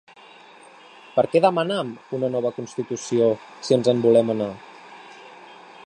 Per què demanam una nova constitució si ens en volem anar?